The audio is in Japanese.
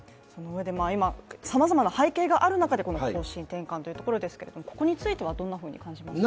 今、さまざまな背景がある中でこの方針転換ということですけれども、ここについてはどんなふうに感じますか？